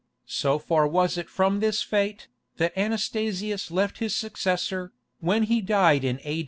So far was it from this fate, that Anastasius left his successor, when he died in A.